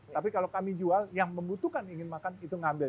tapi kalau kami jual yang membutuhkan ingin makan itu ngambil